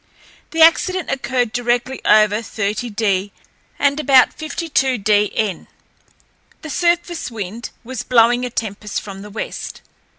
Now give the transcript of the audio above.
The accident occurred directly over 30° and about 52° N. The surface wind was blowing a tempest from the west.